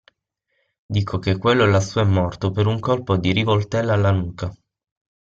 Dico che quello lassù è morto per un colpo di rivoltella alla nuca.